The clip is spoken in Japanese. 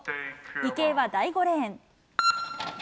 池江は第５レーン。